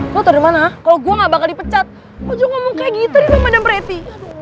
lo tau dari mana kalau gua gak bakal dipecat lu juga ngomong kayak gitu di rumah madam prati